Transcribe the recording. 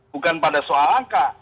bukan pada soal angka